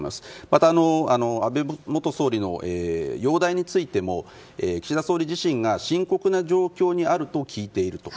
また安倍元総理の容体についても岸田総理自身が深刻な状況にあると聞いていると。